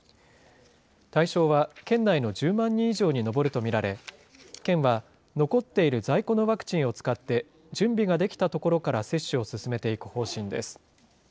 対象は、県内の１０万人以上に上ると見られ、県は残っている在庫のワクチンを使って、準備ができたところから接種を進めていく方針です。